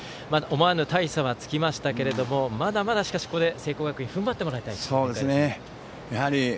思わぬ大差はつきましたけれどもまだまだ聖光学院踏ん張ってもらいたいですね。